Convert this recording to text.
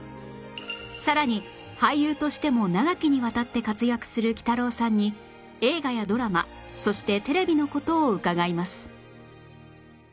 さらに俳優としても長きにわたって活躍するきたろうさんに映画やドラマそしてテレビの事を伺います